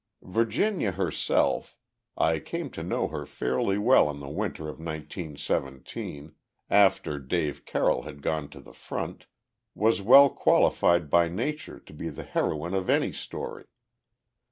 Virginia herself I came to know her fairly well in the winter of nineteen seventeen, after Dave Carroll had gone to the front was well qualified by nature to be the heroine of any story.